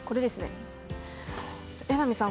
榎並さん